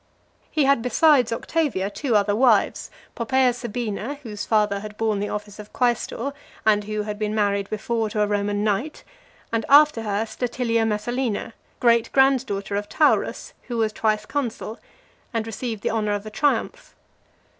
XXXV. He had, besides Octavia, two other wives: Poppaea Sabina, whose father had borne the office of quaestor, and who had been married before to a Roman knight: and, after her, Statilia Messalina, great grand daughter of Taurus who was twice consul, and received the honour of a triumph.